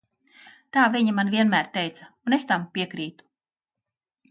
Tā viņa man vienmēr teica. Un es tam piekrītu.